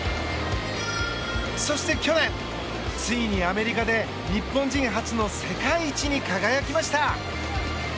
そして去年、ついにアメリカで日本人初の世界一に輝きました。